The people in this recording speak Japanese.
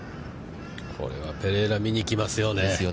これはペレイラ、見に来ますよね。